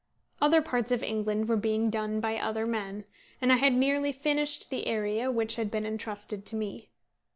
Other parts of England were being done by other men, and I had nearly finished the area which had been entrusted to me.